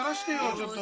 ちょっと。